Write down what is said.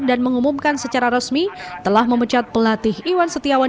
dan mengumumkan secara resmi telah memecat pelatih iwan setiawan